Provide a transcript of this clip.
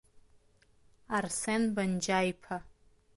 Арсен Банџьаиԥа!